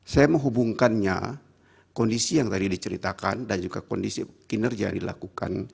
saya menghubungkannya kondisi yang tadi diceritakan dan juga kondisi kinerja yang dilakukan